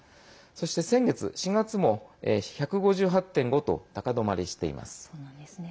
そして先月、４月も１５８．５と高止まりしています。